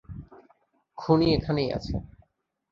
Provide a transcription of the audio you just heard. খুনি এখানেই আছে!